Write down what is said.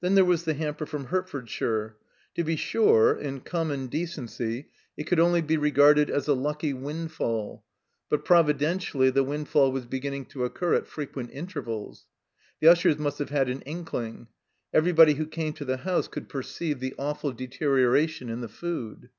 Then there was the hamper from Hert fordshire. To be sure, in common decency, it could i6s THE COMBINED MAZE only be regarded as a lucky windfall, but provi dentially the windfall was beginning to occur at fre quent intervals. The Ushers must have had an inkling. Everybody who came to the house could perceive the awftd deterioration in the food.